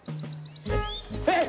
えっ！？